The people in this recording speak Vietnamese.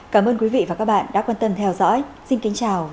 cảm ơn quý vị và các bạn đã quan tâm theo dõi xin kính chào và hẹn gặp lại